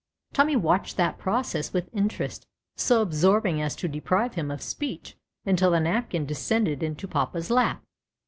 Tommy watched that process with interest so absorbing as to deprive him of speech until the napkin descended into papa's lap.